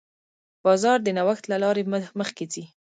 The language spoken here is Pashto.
بازار د نوښت له لارې مخکې ځي.